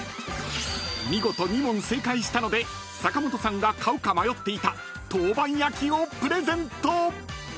［見事２問正解したので坂本さんが買うか迷っていた陶板焼きをプレゼント！］